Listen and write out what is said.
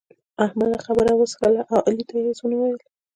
احمد خبره وسهله او علي ته يې هيڅ و نه ويل.